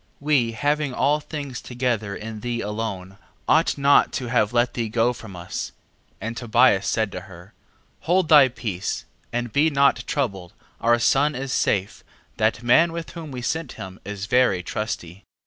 10:5. We having all things together in thee alone, ought not to have let thee go from us. 10:6. And Tobias said to her: Hold thy peace, and be not troubled, our son is safe: that man with whom we sent him is very trusty.